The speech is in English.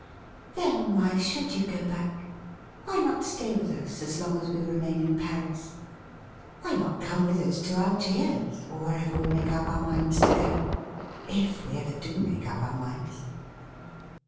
' Then why should you go back ? Why not stay with us as long as we remain in Paris ? Why not come with us to Algiers, or wherever we make up our minds to go ?— ^if we ever do male ' dp our minds.